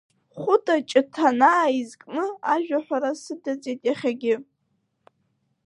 Хәыта Ҷыҭанаа изкны ажәаҳәара сыдырҵеит иахьагьы…